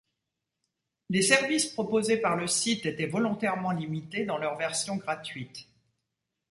Les services proposés par le site étaient volontairement limités dans leur version gratuite.